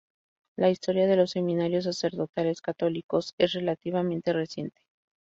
La historia de los seminarios sacerdotales católicos es relativamente reciente.